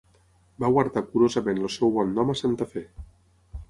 Va guardar curosament el seu bon nom a Santa Fe.